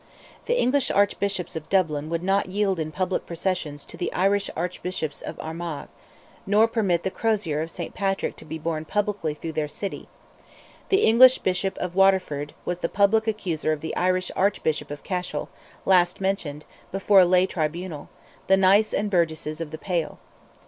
The English Archbishops of Dublin would not yield in public processions to the Irish Archbishops of Armagh, nor permit the crozier of St. Patrick to be borne publicly through their city; the English Bishop of Waterford was the public accuser of the Irish Archbishop of Cashel, last mentioned, before a lay tribunal—the knights and burgesses of "the Pale."